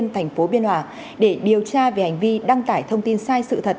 nguyễn minh tiến tp biên hòa để điều tra về hành vi đăng tải thông tin sai sự thật